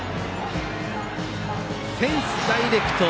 フェンスダイレクト。